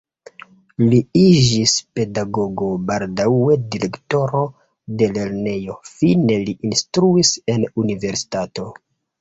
Li iĝis pedagogo, baldaŭe direktoro de lernejo, fine li instruis en universitato.